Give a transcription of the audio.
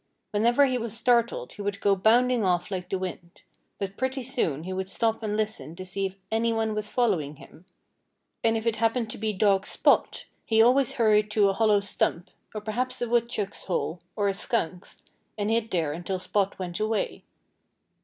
Whenever he was startled he would go bounding off like the wind; but pretty soon he would stop and listen to see if anyone was following him. And if it happened to be dog Spot, he always hurried to a hollow stump, or perhaps a woodchuck's hole or a skunk's and hid there until Spot went away.